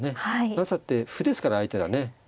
なぜって歩ですから相手がね。